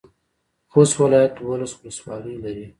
خوست ولایت دولس ولسوالۍ لري.